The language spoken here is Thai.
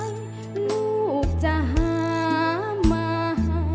เพลงที่สองเพลงมาครับ